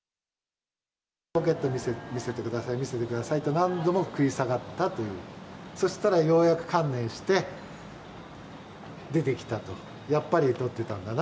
ポケット見せてください、見せてくださいと、何度も食い下がったという、そしたらようやく観念して出てきたと。